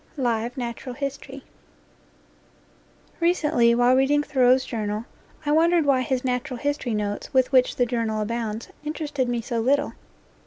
LIVE NATURAL HISTORY RECENTLY, while reading Thoreau's Journal, I wondered why his natural history notes, with which the Journal abounds, interested me so little.